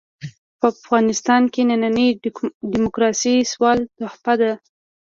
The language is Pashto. په افغانستان کې ننۍ ډيموکراسي د سوال تحفه ده.